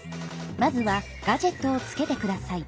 まずはガジェットをつけてください。